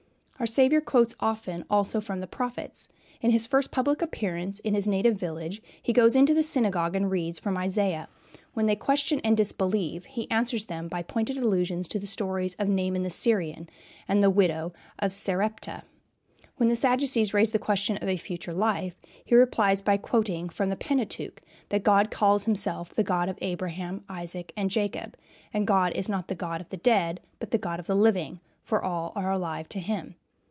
Our Saviour quotes often also from the prophets. In his first public appearance in his native village he goes into the synagogue and reads from Isaiah. When they question and disbelieve, he answers them by pointed allusions to the stories of Naaman the Syrian and the widow of Sarepta. When the Sadducees raise the question of a future life, he replies by quoting from the Pentateuch that God calls himself the God of Abraham, Isaac, and Jacob, and God is not the God of the dead, but the God of the living, for all are alive to him.